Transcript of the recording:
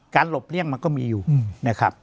หลบเลี่ยงมันก็มีอยู่นะครับ